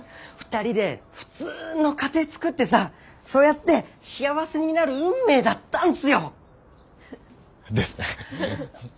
２人で普通の家庭つくってさそうやって幸せになる運命だったんっすよ。ですね。